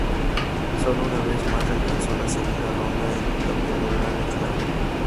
Sólo una vez más alcanzó la segunda ronda en un torneo de Grand Slam.